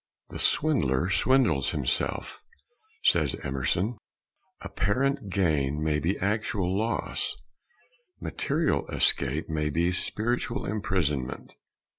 The swindler swindles himself," says Emerson. Apparent gain may be actual loss; material escape may be spiritual imprisonment.